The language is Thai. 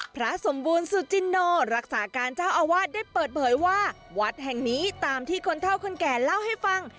พระสมบูรณสุจินโนรักษาการเจ้าอาวาสได้เปิดเผยว่าวัดแห่งนี้ตามที่คนเท่าคนแก่เล่าให้ฟัง